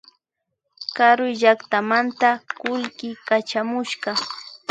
Karuy llaktamanta kullki kachamushka